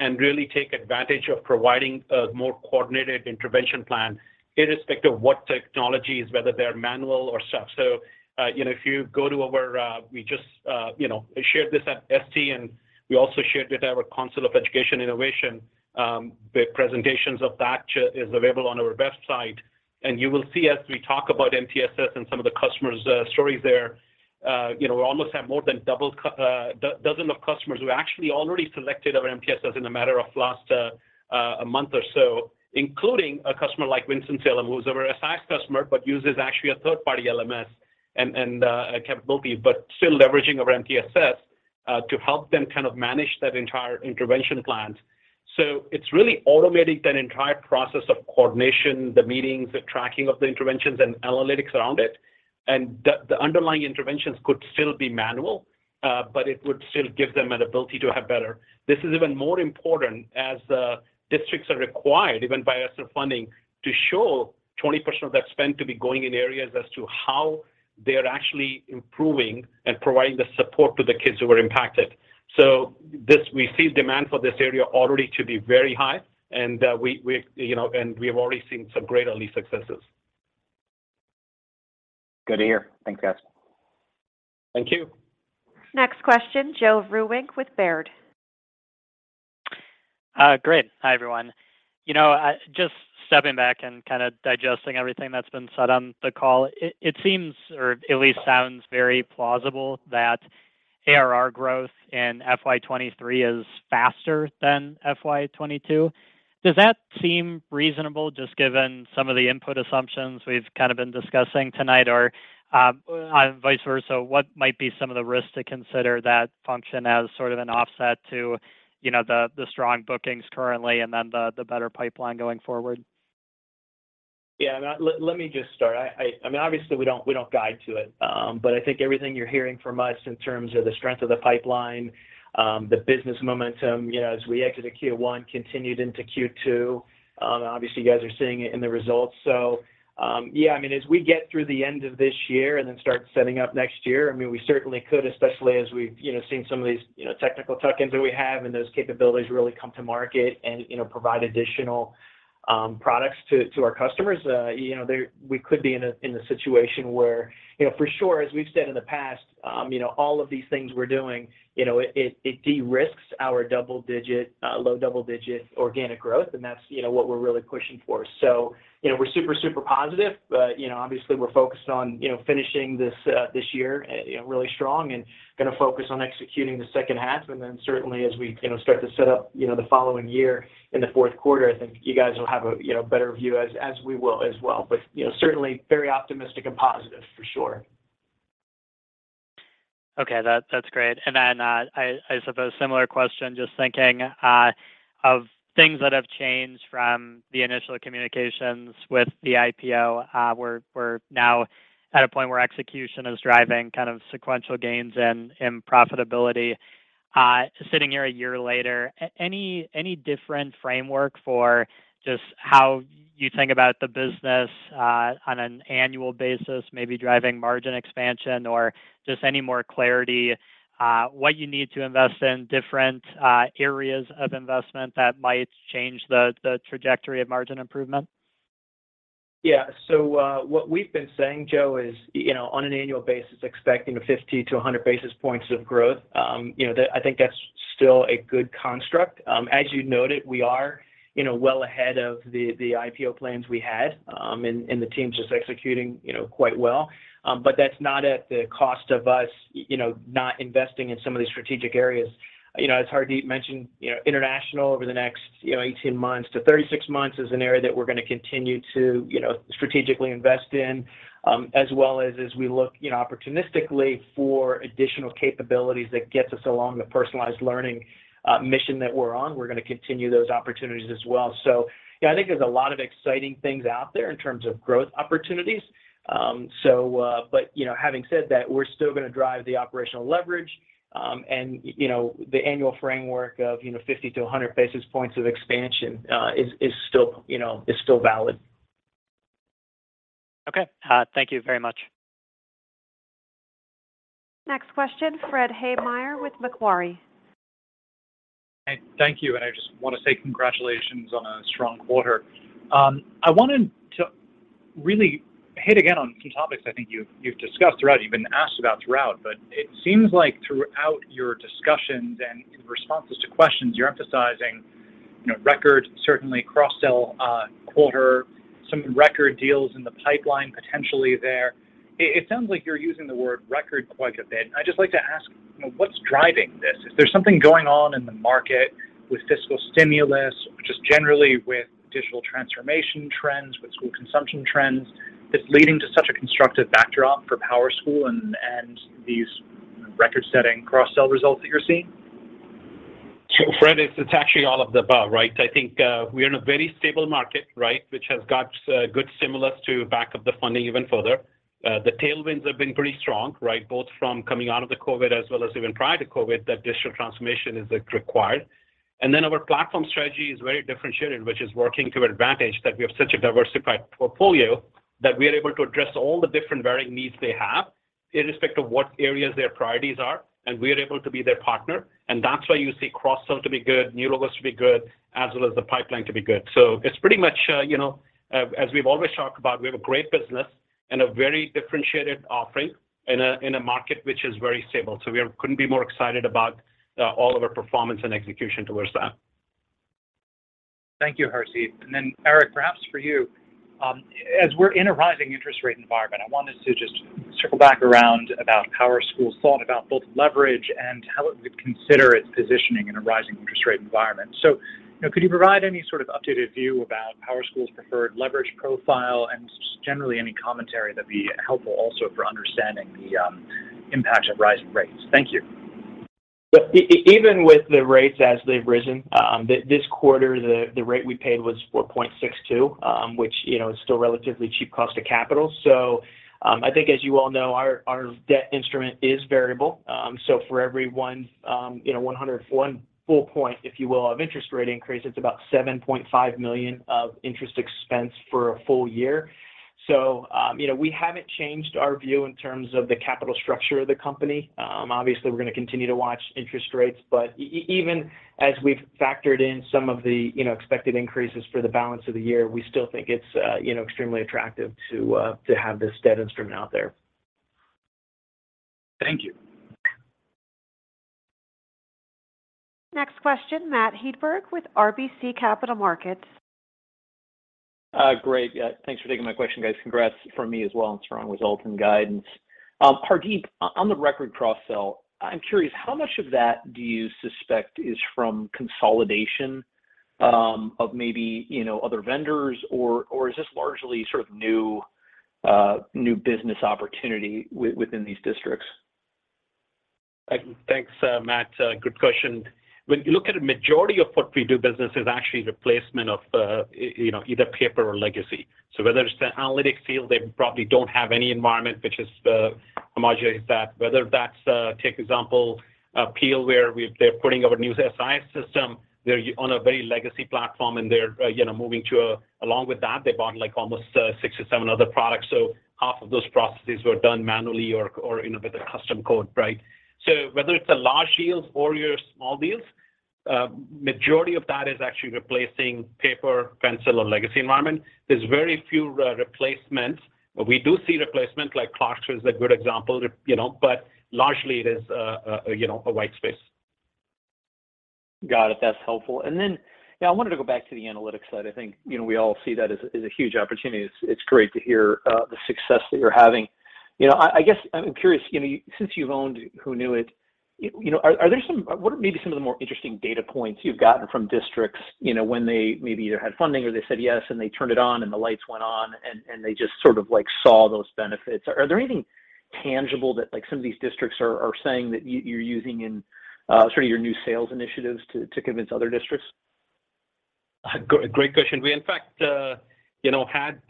and really take advantage of providing a more coordinated intervention plan irrespective of what technologies, whether they're manual or stuff. If you go to where we just shared this at ISTE, and we also shared with our Council on Education Innovation, the presentations of that is available on our website. You will see as we talk about MTSS and some of the customers' stories there we almost have more than double a dozen of customers who actually already selected our MTSS in a matter of last month or so, including a customer like Winston-Salem, who's our size customer, but uses actually a third-party LMS and capability, but still leveraging our MTSS to help them kind of manage that entire intervention plans. It's really automating that entire process of coordination, the meetings, the tracking of the interventions and analytics around it. The underlying interventions could still be manual, but it would still give them an ability to have better. This is even more important as districts are required, even by ESSER funding, to show 20% of that spend to be going in areas as to how they're actually improving and providing the support to the kids who are impacted. We see demand for this area already to be very high. we have already seen some great early successes. Good to hear. Thanks, guys. Thank you. Next question, Joe Vruwink with Baird. Great. Hi, everyone. Just stepping back and kinda digesting everything that's been said on the call, it seems or at least sounds very plausible that ARR growth in FY 23 is faster than FY 22. Does that seem reasonable just given some of the input assumptions we've kind of been discussing tonight, or vice versa? What might be some of the risks to consider that function as sort of an offset to the strong bookings currently and then the better pipeline going forward? Yeah. Let me just start. I mean, obviously, we don't guide to it. But I think everything you're hearing from us in terms of the strength of the pipeline, the business momentum as we exit the Q1 continued into Q2, obviously you guys are seeing it in the results. Yeah, I mean, as we get through the end of this year and then start setting up next year, I mean, we certainly could, especially as we've seen some of these technical tuck-ins that we have and those capabilities really come to market and provide additional products to our customers. We could be in a situation where for sure, as we've said in the past all of these things we're doing it de-risks our double digit, low double digit organic growth, and that's what we're really pushing for. We're super positive. Obviously we're focused on finishing this year really strong and going to focus on executing the second half. Certainly as we start to set up the following year in the Q4, I think you guys will have a better view as we will as well. Certainly very optimistic and positive for sure. Okay. That's great. I suppose similar question, just thinking of things that have changed from the initial communications with the IPO. We're now at a point where execution is driving kind of sequential gains and profitability, sitting here a year later. Any different framework for just how you think about the business on an annual basis, maybe driving margin expansion or just any more clarity what you need to invest in different areas of investment that might change the trajectory of margin improvement? Yeah. What we've been saying, Joe, is on an annual basis, expecting 50-100 basis points of growth. That I think that's still a good construct. As you noted, we are well ahead of the IPO plans we had, and the team's just executing quite well. That's not at the cost of us not investing in some of these strategic areas. As Hardeep mentioned international over the next 18 months to 36 months is an area that we're going to continue to strategically invest in, as well as we look opportunistically for additional capabilities that gets us along the personalized learning mission that we're on. We're going to continue those opportunities as well. Yeah, I think there's a lot of exciting things out there in terms of growth opportunities. Having said that, we're still going to drive the operational leverage, and the annual framework of 50-100 basis points of expansion is still valid. Okay. Thank you very much. Next question, Fred Havemeyer with Macquarie. Thank you. I just want to say congratulations on a strong quarter. I wanted to really hit again on some topics I think you've discussed throughout, you've been asked about throughout. It seems like throughout your discussions and in responses to questions, you're emphasizing record cross-sell quarter, some record deals in the pipeline potentially there. It sounds like you're using the word record quite a bit. I'd just like to ask what's driving this? Is there something going on in the market? With fiscal stimulus, just generally with digital transformation trends, with school consumption trends, is leading to such a constructive backdrop for PowerSchool and these record-setting cross-sell results that you're seeing? Fred, it's actually all of the above, right? I think we are in a very stable market, right? Which has got good stimulus to back up the funding even further. The tailwinds have been pretty strong, right? Both from coming out of the COVID as well as even prior to COVID, that digital transformation is required. Then our platform strategy is very differentiated, which is working to our advantage, that we have such a diversified portfolio that we are able to address all the different varying needs they have irrespective of what areas their priorities are, and we are able to be their partner. That's why you see cross-sell to be good, new logos to be good, as well as the pipeline to be good. It's pretty much as we've always talked about, we have a great business and a very differentiated offering in a market which is very stable. We couldn't be more excited about all of our performance and execution towards that. Thank you, Hardeep. Eric, perhaps for you, as we're in a rising interest rate environment, I wanted to just circle back around about PowerSchool's thought about both leverage and how it would consider its positioning in a rising interest rate environment. Could you provide any sort of updated view about PowerSchool's preferred leverage profile and just generally any commentary that'd be helpful also for understanding the impact of rising rates? Thank you. Even with the rates as they've risen, this quarter the rate we paid was 4.62, which is still relatively cheap cost of capital. I think as you all know, our debt instrument is variable. For every 1 full point, if you will, of interest rate increase, it's about $7.5 million of interest expense for a full year. We haven't changed our view in terms of the capital structure of the company. Obviously we're going to continue to watch interest rates. Even as we've factored in some of the expected increases for the balance of the year, we still think it's extremely attractive to have this debt instrument out there. Thank you. Next question, Matt Hedberg with RBC Capital Markets. Great. Yeah, thanks for taking my question, guys. Congrats from me as well on strong results and guidance. Hardeep, on the record cross sell, I'm curious, how much of that do you suspect is from consolidation, of maybe other vendors or is this largely sort of new business opportunity within these districts? Thanks, Matt. Good question. When you look at a majority of what we do business is actually replacement of either paper or legacy. So whether it's the analytics field, they probably don't have any environment which is homogeneous that. Whether that's take example, Peel, where they're putting up a new SIS system. They're on a very legacy platform, and they're moving to a. Along with that, they bought, like, almost 6 or 7 other products. So half of those processes were done manually or with a custom code, right? So whether it's a large deals or your small deals, majority of that is actually replacing paper, pencil or legacy environment. There's very few replacements. We do see replacement like Clarksville is a good example, you know. Largely it is a white space. Got it. That's helpful. I wanted to go back to the analytics side. I think we all see that as a huge opportunity. It's great to hear the success that you're having. I guess I'm curious since you've owned Hoonuit what are maybe some of the more interesting data points you've gotten from districts when they maybe either had funding or they said yes and they turned it on and the lights went on and they just sort of like saw those benefits. Are there anything tangible that like some of these districts are saying that you're using in sort of your new sales initiatives to convince other districts? Great question. We in fact had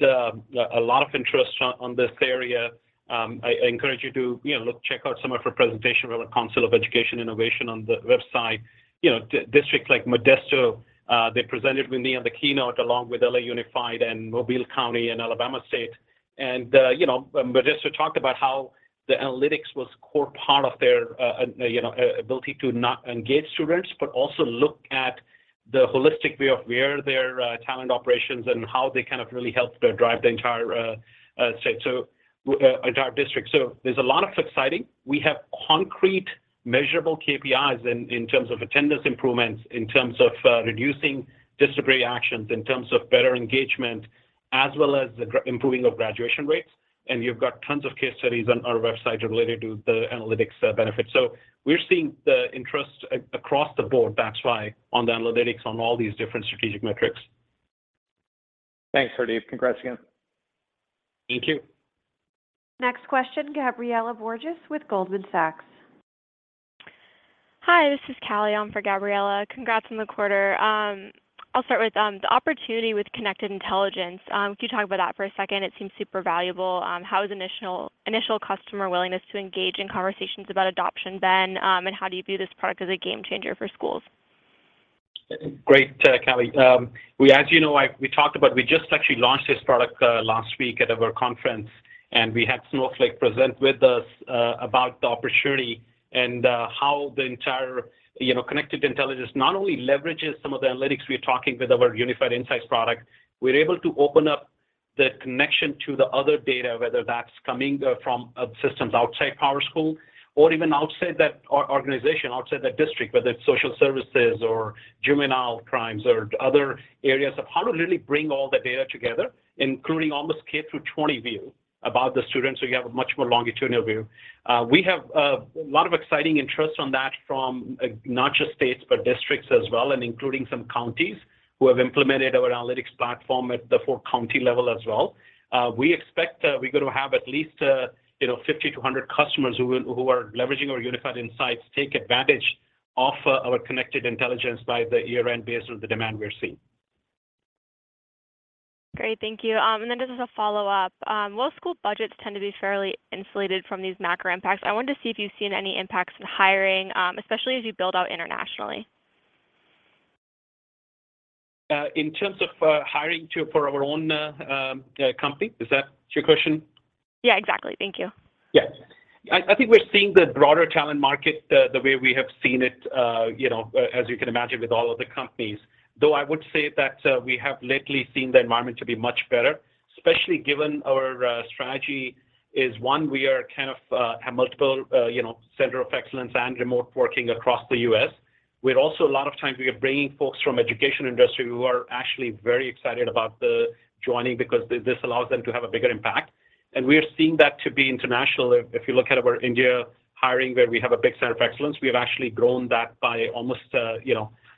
a lot of interest on this area. I encourage you to look, check out some of our presentation with the Council on Education Innovation on the website. Districts like Modesto, they presented with me on the keynote, along with LA Unified and Mobile County and Alabama State. Modesto talked about how the analytics was core part of their ability to not only engage students, but also look at the holistic view of where their talent operations and how they kind of really help drive the entire district. There's a lot of exciting. We have concrete measurable KPIs in terms of attendance improvements, in terms of reducing disciplinary actions, in terms of better engagement, as well as the improving of graduation rates. You've got tons of case studies on our website related to the analytics benefits. We're seeing the interest across the board, that's why on the analytics on all these different strategic metrics. Thanks, Hardeep. Congrats again. Thank you. Next question, Gabriela Borges with Goldman Sachs. Hi, this is Callie on for Gabriela Borges. Congrats on the quarter. I'll start with the opportunity with Connected Intelligence. Could you talk about that for a second? It seems super valuable. How is initial customer willingness to engage in conversations about adoption been, and how do you view this product as a game changer for schools? Great, Callie. As we talked about. We just actually launched this product last week at our conference, and we had Snowflake present with us about the opportunity and how the entire Connected Intelligence not only leverages some of the analytics we're talking about with our Unified Insights product. We're able to open up the connection to the other data, whether that's coming from systems outside PowerSchool or even outside that organization, outside that district, whether it's social services or juvenile crimes or other areas, of how to really bring all the data together, including almost a K-12 view of the students so you have a much more longitudinal view. We have a lot of exciting interest on that from not just states, but districts as well, and including some counties who have implemented our analytics platform at the county level as well. We expect we're going to have at least 50 to 100 customers who are leveraging our Unified Insights to take advantage of our Connected Intelligence by the year-end based on the demand we are seeing. Great. Thank you. Just as a follow-up, while school budgets tend to be fairly insulated from these macro impacts, I wanted to see if you've seen any impacts in hiring, especially as you build out internationally. In terms of hiring for our own company? Is that your question? Yeah, exactly. Thank you. Yes. I think we're seeing the broader talent market the way we have seen it as you can imagine with all of the companies. Though I would say that we have lately seen the environment to be much better, especially given our strategy is one we are kind of have multiple center of excellence and remote working across the US. We're also a lot of times we are bringing folks from education industry who are actually very excited about the joining because this allows them to have a bigger impact. We are seeing that to be international. If you look at our India hiring, where we have a big center of excellence, we have actually grown that by almost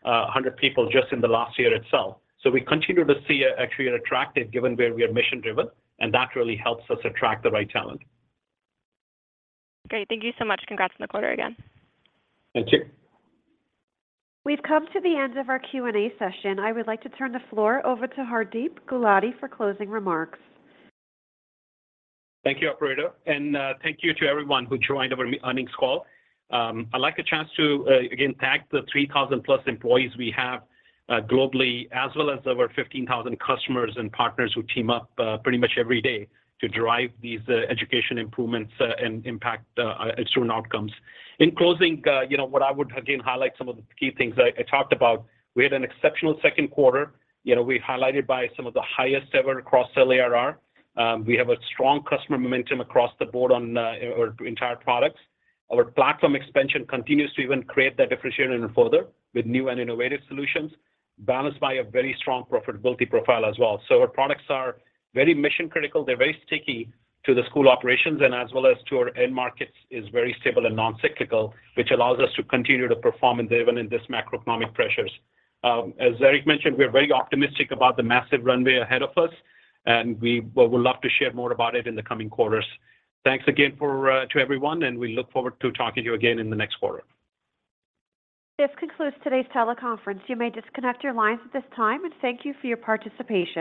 100 people just in the last year itself. We continue to see, actually an attractive, given where we are mission-driven, and that really helps us attract the right talent. Great. Thank you so much. Congrats on the quarter again. Thank you. We've come to the end of our Q&A session. I would like to turn the floor over to Hardeep Gulati for closing remarks. Thank you, operator. Thank you to everyone who joined our earnings call. I'd like a chance to again thank the 3,000+ employees we have globally, as well as our 15,000 customers and partners who team up pretty much every day to drive these education improvements and impact student outcomes. In closing what I would again highlight some of the key things I talked about. We had an exceptional Q2. We highlighted by some of the highest ever cross-sell ARR. We have a strong customer momentum across the board on our entire products. Our platform expansion continues to even create that differentiation even further with new and innovative solutions balanced by a very strong profitability profile as well. Our products are very mission-critical. They're very sticky to the school operations and as well as to our end markets is very stable and non-cyclical, which allows us to continue to perform even in this macroeconomic pressures. As Eric mentioned, we're very optimistic about the massive runway ahead of us, and we well would love to share more about it in the coming quarters. Thanks again to everyone, and we look forward to talking to you again in the next quarter. This concludes today's teleconference. You may disconnect your lines at this time, and thank you for your participation.